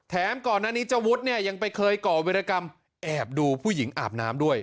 ก่อนหน้านี้เจ้าวุฒิเนี่ยยังไปเคยก่อวิรกรรมแอบดูผู้หญิงอาบน้ำด้วย